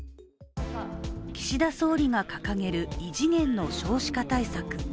岸田総理が掲げる異次元の少子化対策。